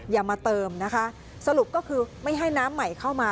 อย่ามาเติมนะคะสรุปก็คือไม่ให้น้ำใหม่เข้ามา